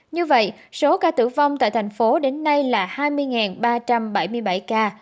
như vậy số ca tử vong tại thành phố đến nay là hai mươi ba trăm bảy mươi bảy ca